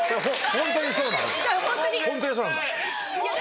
ホントにそうなんだ。